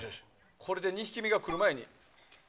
これで２匹目が来る前に。